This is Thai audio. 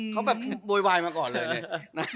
เขาแบบโบยมาก่อนเลยเนี่ย